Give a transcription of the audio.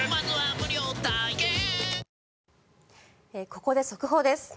ここで速報です。